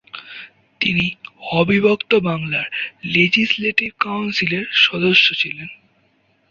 তিনি অবিভক্ত বাংলার লেজিসলেটিভ কাউন্সিলের সদস্য ছিলেন।